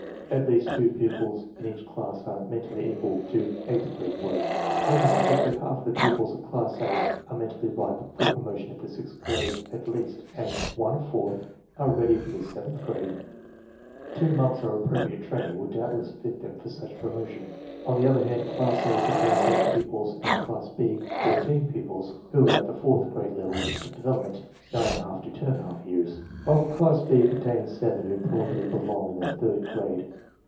At least two pupils in each class are mentally equal to eighth grade work. Almost exactly half of the pupils of class A are men tally ripe for promotion to the sixth grade, at least, and one fourth are ready for the seventh grade. Two months of appropriate training would doubtless fit them for such promotion. On the other hand, class A contains eight pupils and class B fourteen pupils who are at the fourth grade level of mental development (9| to 10| years); while Class B contains seven who probably belong in the third grade.